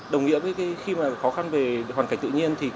đồng nghĩa với khi khó khăn về hoàn cảnh tự nhiên